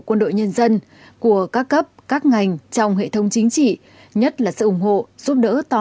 quân đội nhân dân của các cấp các ngành trong hệ thống chính trị nhất là sự ủng hộ giúp đỡ to